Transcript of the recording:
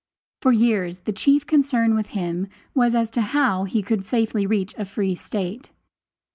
For years the chief concern with him was as to how he could safely reach a free State.